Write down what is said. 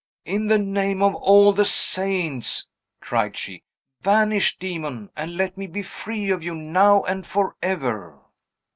"In the name of all the Saints," cried she, "vanish, Demon, and let me be free of you now and forever!"